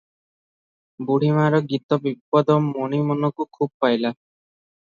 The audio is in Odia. ବୁଢ଼ୀ ମାଆର ଗୀତ ଦିପଦ ମଣିମନକୁ ଖୁବ୍ ପାଇଲା ।